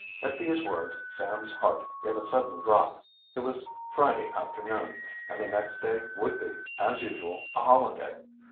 At these words Sam's heart gave a sudden drop. It was Friday afternoon, and the next day would be, as usual, a holiday.